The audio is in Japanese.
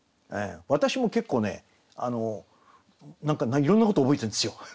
私も結構ね何かいろんなこと覚えてるんですよ。